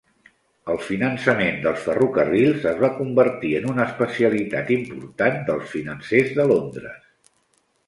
El finançament dels ferrocarrils es va convertir en una especialitat important dels financers de Londres.